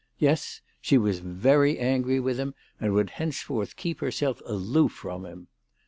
Yes ; she was very angry with him, and would henceforth keep herself aloof from him.